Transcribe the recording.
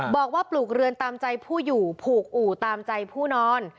ปลูกเรือนตามใจผู้อยู่ผูกอู่ตามใจผู้นอน